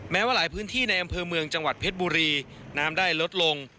แม้ว่าหลายพื้นที่ในอำเภอเมืองจังหวัดเพชรบุรีน้ำได้ลดลง